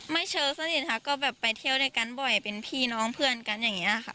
ไม่เจอสนิทค่ะก็แบบไปเที่ยวด้วยกันบ่อยเป็นพี่น้องเพื่อนกันอย่างนี้ค่ะ